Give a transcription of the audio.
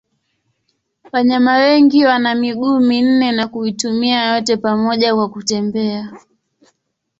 Wanyama wengi wana miguu minne na kuitumia yote pamoja kwa kutembea.